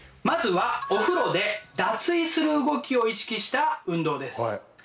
まずはお風呂で脱衣する動きを意識した運動です。